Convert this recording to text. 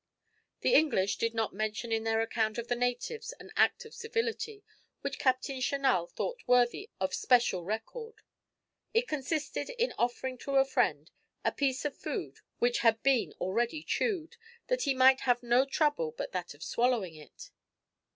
The English did not mention in their account of the natives an act of civility, which Captain Chanal thought worthy of special record. It consisted in offering to a friend a piece of food which had been already chewed, that he might have no trouble but that of swallowing it.